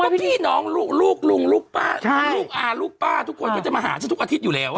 ก็พี่น้องลูกลุงลูกป้าลูกอาลูกป้าทุกคนก็จะมาหาฉันทุกอาทิตย์อยู่แล้ว